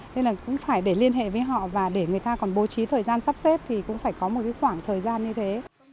nên là cũng phải để liên hệ với họ và để người ta còn bố trí thời gian sắp xếp thì cũng phải có một cái khoảng thời gian như thế